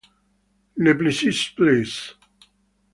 Le Plessis-Placy